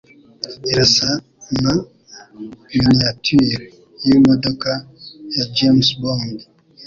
Irasa na miniature yimodoka ya James Bond